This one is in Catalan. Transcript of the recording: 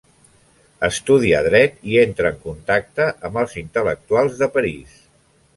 Estudia dret i entra en contacte amb els intel·lectuals de París.